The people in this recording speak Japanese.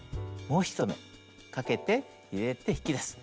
もう１目かけて入れて引き出す。